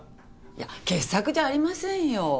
いや傑作じゃありませんよ。